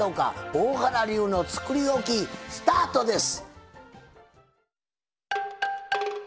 大原流のつくりおきスタートです！